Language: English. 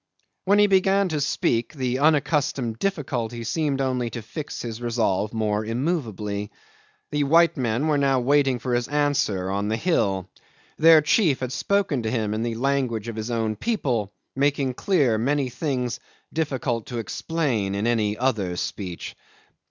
'When he began to speak, the unaccustomed difficulty seemed only to fix his resolve more immovably. The white men were now waiting for his answer on the hill. Their chief had spoken to him in the language of his own people, making clear many things difficult to explain in any other speech.